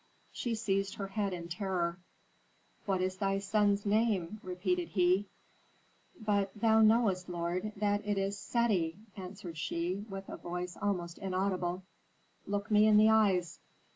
She seized her head in terror. "What is thy son's name?" repeated he. "But thou knowest, lord, that it is Seti," answered she, with a voice almost inaudible. "Look me in the eyes."